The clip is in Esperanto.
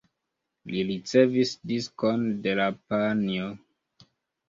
Li ricevis diskon de la panjo.